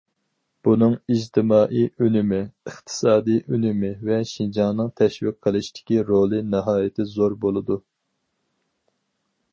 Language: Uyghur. بۇنىڭ ئىجتىمائىي ئۈنۈمى، ئىقتىسادىي ئۈنۈمى ۋە شىنجاڭنىڭ تەشۋىق قىلىشتىكى رولى ناھايىتى زور بولىدۇ.